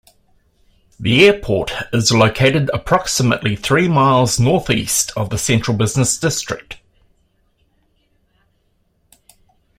The airport is located approximately three miles northeast of the central business district.